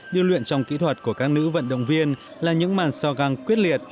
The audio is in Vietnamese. như luyện trong kỹ thuật của các nữ vận động viên là những màn so găng quyết liệt